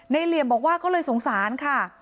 เหลี่ยมบอกว่าก็เลยสงสารค่ะ